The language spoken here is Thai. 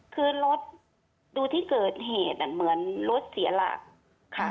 คือรถดูที่เกิดเหตุเหมือนรถเสียหลักค่ะ